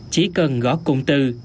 chỉ cần gõ cụm từ